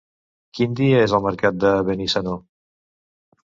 Quin dia és el mercat de Benissanó?